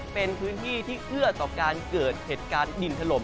เป็นพื้นที่ที่เอื้อต่อการเกิดเหตุการณ์ดินถล่ม